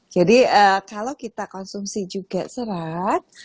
jadi kalau kita konsumsi juga serat